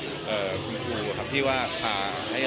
คุณแม่น้องให้โอกาสดาราคนในผมไปเจอคุณแม่น้องให้โอกาสดาราคนในผมไปเจอ